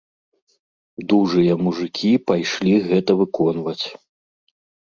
Дужыя мужыкі пайшлі гэта выконваць.